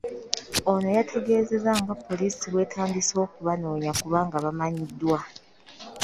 Ono yategeezezza nga poliisi bw'etandise okubanoonya kubanga bamanyiddwa.